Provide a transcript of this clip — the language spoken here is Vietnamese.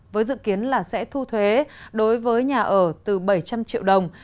với dự kiến là sẽ thu thuế đối với nhà ở từ bảy trăm linh triệu đồng